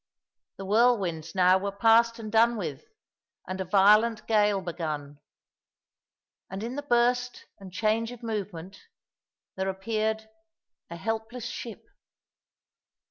The whirlwinds now were past and done with, and a violent gale begun, and in the burst and change of movement there appeared a helpless ship.